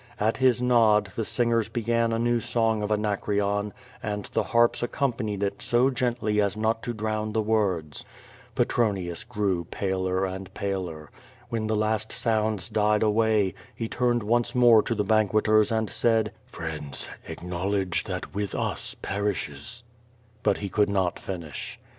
At his nod the singers began a new song of Anacreon, and the harps accompanied it so gently as not to drown the words. Petron ius grew paler and paler. When the last sounds died away, he turned once more to the banqueters and said: "Friends, acknowledge that with us perishes —" but ho could not finish.